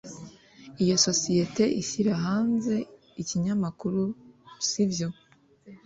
Iyo sosiyete ishyira hanze ikinyamakuru sibyo